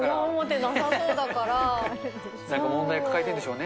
なんか問題抱えてるんでしょうね。